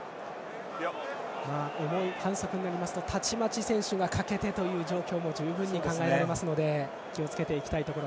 重い反則になりますとたちまち選手が欠けてという状況も十分に考えられますので気をつけていきたいところ。